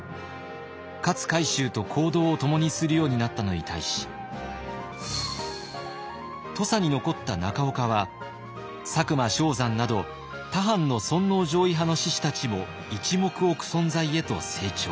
勝海舟と行動を共にするようになったのに対し土佐に残った中岡は佐久間象山など他藩の尊皇攘夷派の志士たちも一目置く存在へと成長。